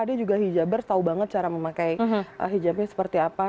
tadi juga hijabers tahu banget cara memakai hijabnya seperti apa